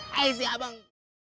hai si abang